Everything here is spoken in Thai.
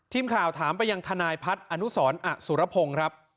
ทีมข่าวถามไปยังทนายพัฒน์อนุสรอสุรพงศ์ครับ